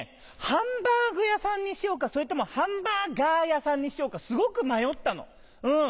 ハンバーグ屋さんにしようかそれともハンバーガー屋さんにしようかすごく迷ったのうん。